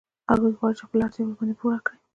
هغوی غواړي چې خپلې اړتیاوې ورباندې پوره کړي